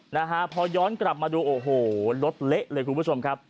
นะฮะพอย้อนกลับมาดูโอ้โหรถเละเลยคุณผู้ชมครับ